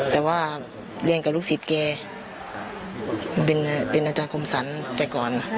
แต่ว่าเรียนกับลูกศิษย์แกเป็นอาจารย์คมสรรแต่ก่อน